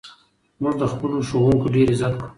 موږ د خپلو ښوونکو ډېر عزت کوو.